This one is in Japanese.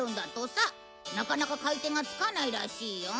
なかなか買い手がつかないらしいよ。